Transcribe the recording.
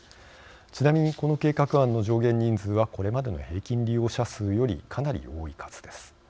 ちなみにこの計画案の上限人数はこれまでの平均利用者数よりかなり多い数です。